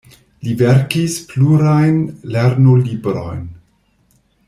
Li verkis plurajn lernolibrojn.